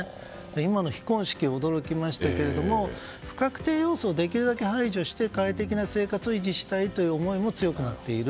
今の非婚式、驚きましたが不確定要素をできるだけ排除して、快適な生活を維持したいという思いも強くなっている。